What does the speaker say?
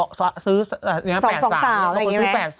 บางคนซื้อ๘๒อย่างนี้มั้ย